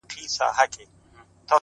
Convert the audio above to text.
ه ستا د سترگو احترام نه دی- نو څه دی-